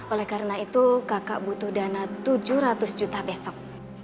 oleh karena itu kakak butuh dana tujuh ratus juta besok